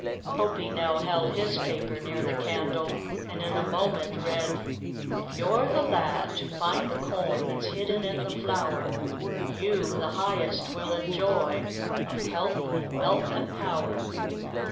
Hopie now held his paper near the candle, and in a moment read: "If you're the lad, to find the coin That's hidden in the flour, You, the highest will enjoy, Of health, and wealth and power."